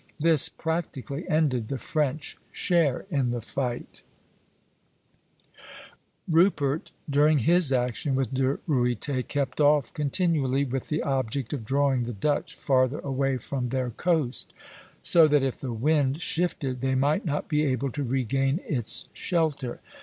This practically ended the French share in the fight. [Illustration: Pl. IV. TEXEL. Aug. 21, 1673.] Rupert, during his action with De Ruyter, kept off continually, with the object of drawing the Dutch farther away from their coast, so that if the wind shifted they might not be able to regain its shelter.